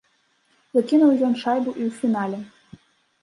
Закінуў ён шайбу і ў фінале.